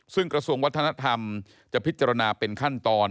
ซึ่งกระทรวงวัฒนธรรมจะพิจารณาเป็นขั้นตอน